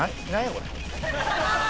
これ。